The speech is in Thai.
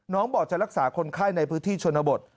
บอกจะรักษาคนไข้ในพื้นที่ชนบท